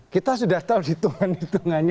kita sudah tahu hitungan hitungannya